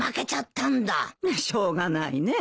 しょうがないね。